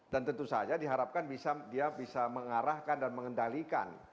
dan tentu saja diharapkan dia bisa mengarahkan dan mengendalikan